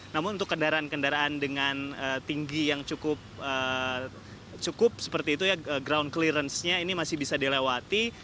namun untuk kendaraan kendaraan dengan tinggi yang cukup seperti itu ya ground clearance nya ini masih bisa dilewati